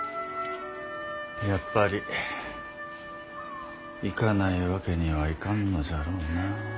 やっぱり行かないわけにはいかんのじゃろうなあ。